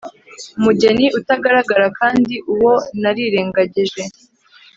Umugeni utagaragara kandi uwo narirengagije